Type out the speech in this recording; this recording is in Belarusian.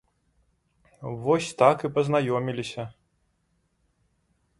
Вось так і пазнаёміліся.